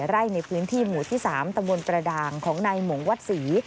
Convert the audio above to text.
ไร่ในพื้นที่หมู่ที่๓ตำบลประดางของนายหมงวัดศรี